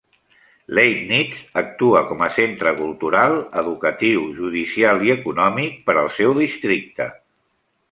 Leibnitz actua com a centre cultural, educatiu, judicial i econòmic per al seu districte.